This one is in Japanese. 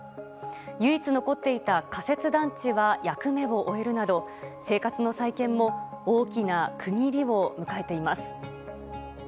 唯一残っていた仮設団地は役目を終えるなど生活の再建も大きな区切りを迎えています。